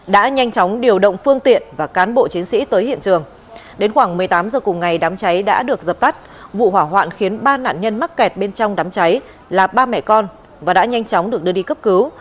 đã nhanh chóng điều động phương tiện và cán bộ chiến sĩ tới hiện trường đến khoảng một mươi tám h cùng ngày đám cháy đã được dập tắt vụ hỏa hoạn khiến ba nạn nhân mắc kẹt bên trong đám cháy là ba mẹ con và đã nhanh chóng được đưa đi cấp cứu